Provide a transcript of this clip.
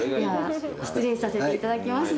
失礼させていただきます。